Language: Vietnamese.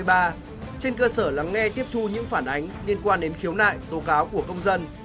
trên cơ sở lắng nghe tiếp thu những phản ánh liên quan đến khiếu nại tố cáo của công dân